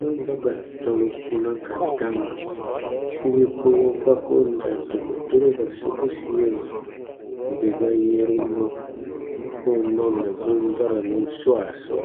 Ma ba ka tɔnu kpuna ka dam, siri kowo ba ko n da dokotoroba sokusiewa bè ba yɛ̃ru mɔ kɔ̃ɔ mɛnnabun baranu swaa sɔɔ.